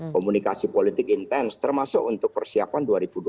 komunikasi politik intens termasuk untuk persiapan dua ribu dua puluh